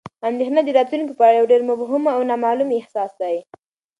اندېښنه د راتلونکي په اړه یو ډېر مبهم او نامعلوم احساس دی.